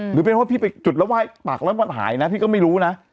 หรือเป็นว่าพี่ไปจุดแล้วไหว้ปากแล้วมันหายนะพี่ก็ไม่รู้นะ